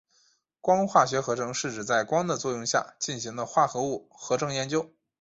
光化学合成是指在光的作用下进行的化合物合成研究。